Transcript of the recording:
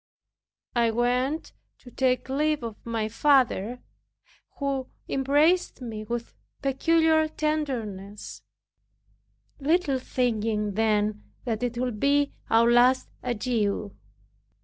I went to take leave of my father, who embraced me with peculiar tenderness, little thinking then that it would be our last adieu.